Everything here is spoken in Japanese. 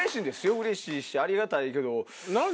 うれしいしありがたいけど。